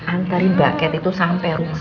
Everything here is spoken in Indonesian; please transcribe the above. antarin mbak catherine itu sampai rumah